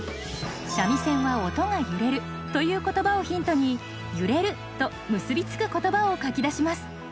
「三味線は音が揺れる」という言葉をヒントに「揺れる」と結び付く言葉を書き出します。